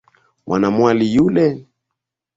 Mwanamwali yule.